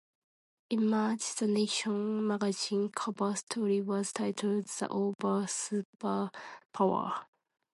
In March, "The Nation" magazine cover story was titled "The Other Superpower".